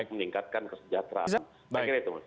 meningkatkan kesejahteraan saya kira itu